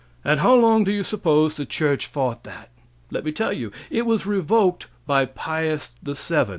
And how long do you suppose the church fought that? Let me tell you. It was revoked by Pius VII.